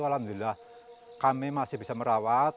alhamdulillah kami masih bisa merawat